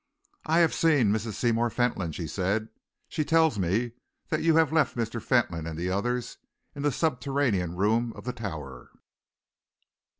"I have seen Mrs. Seymour Fentolin," she said. "She tells me that you have left Mr. Fentolin and the others in the subterranean room of the Tower."